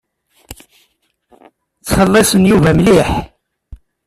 Ttxelliṣen Yuba mliḥ.